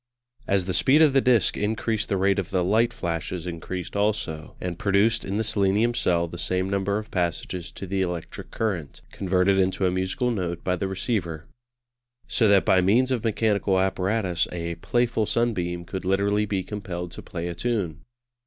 As the speed of the disc increased the rate of the light flashes increased also, and produced in the selenium cell the same number of passages to the electric current, converted into a musical note by the receiver. So that by means of mechanical apparatus a "playful sunbeam" could literally be compelled to play a tune.